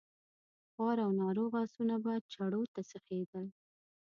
خوار او ناروغ آسونه به چړو ته سيخېدل.